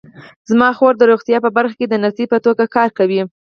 زما خور د روغتیا په برخه کې د نرسۍ په توګه کار کوي